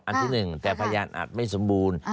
อันที่หนึ่งแต่พยานอัดไม่สมบูรณ์